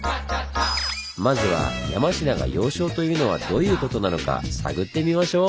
まずは山科が「要衝」というのはどういうことなのか探ってみましょう！